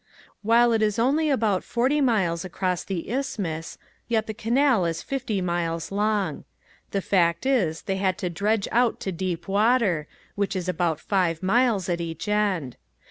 While it is only about forty miles across the isthmus yet the canal is fifty miles long. The fact is they had to dredge out to deep water which is about five miles at each end.